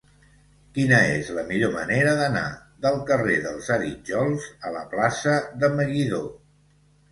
Quina és la millor manera d'anar del carrer dels Arítjols a la plaça de Meguidó?